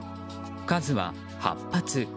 数は８発。